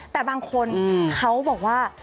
แต่บางคนเขาบอกว่า